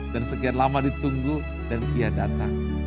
dan sekian lama ditunggu dan ia datang